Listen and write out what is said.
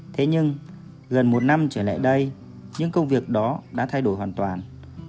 thế nhưng gần một năm trở lại đây những công việc đó đã thay đổi hoàn toàn